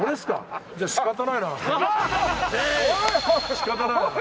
仕方ないな。